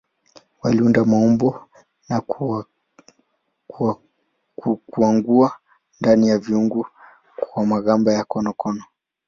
Waliunda maumbo na kukwangua ndani ya viungu kwa magamba ya konokono.